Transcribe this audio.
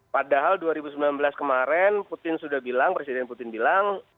padahal dua ribu sembilan belas kemarin putin sudah bilang presiden putin bilang